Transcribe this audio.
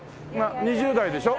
２０代でしょ？